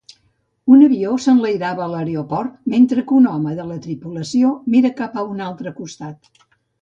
Un avió s'enlairava a l'aeroport, mentre que un home de la tripulació mira cap a un altre costat.